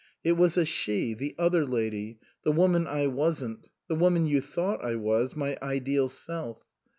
" It was a she the other lady, the woman I wasn't, the woman you thought I was, my ideal self.